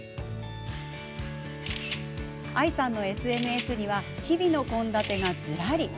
愛さんのＳＮＳには日々の献立が、ずらり。